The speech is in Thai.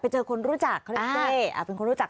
เจอคนรู้จักเขาเรียกเจ๊เป็นคนรู้จัก